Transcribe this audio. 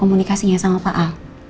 komunikasinya sama pak al